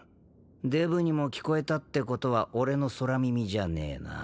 デブにも聞こえたってことは俺の空耳じゃねえな。